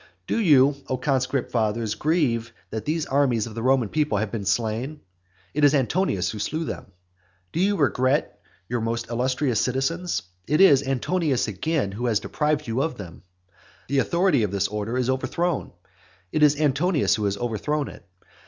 Do you, O conscript fathers, grieve that these armies of the Roman people have been slain? It is Antonius who slew them. Do you regret your most illustrious citizens? It is Antonius, again, who has deprived you of them. The authority of this order is overthrown; it is Antonius who has overthrown it.